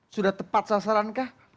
sudah tepat sasaran kah